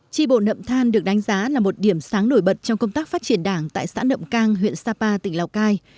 tri bộ nậm than được đánh giá là một điểm sáng nổi bật trong công tác phát triển đảng tại xã nậm cang huyện sapa tỉnh lào cai